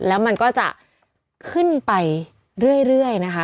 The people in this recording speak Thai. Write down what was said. แล้วมันก็จะขึ้นไปเรื่อยนะคะ